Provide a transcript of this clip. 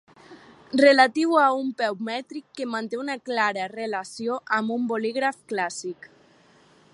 Relatiu a un peu mètric que manté una clara relació amb un bolígraf clàssic.